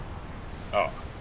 ああ。